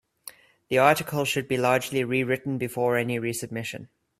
The article should be largely rewritten before any resubmission.